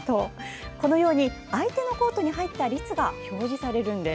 このように、相手のコートに入った率が表示されるんです。